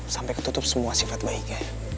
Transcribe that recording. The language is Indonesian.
sampai ketutup semua sifat baik